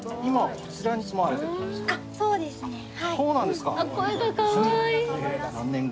そうなんですか。